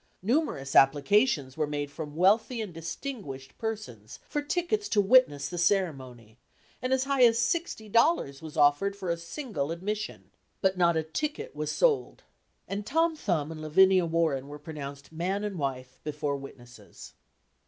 Numerous applications were made from wealthy and distinguished persons for tickets to witness the ceremony, and as high as sixty dollars was offered for a single admission. But not a ticket was sold; and Tom Thumb and Lavinia Warren were pronounced "man and wife" before witnesses.